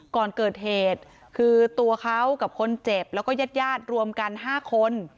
ก่อนเกิดเหตุคือตัวเขากับคนเจ็บแล้วก็ญาติญาติรวมกัน๕คน